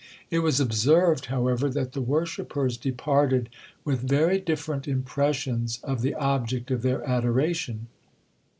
It was observed, however, that the worshippers departed with very different impressions of the object of their adoration.